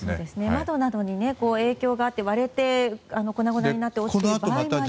窓などに影響があって割れて粉々になって落ちている場合もありますし。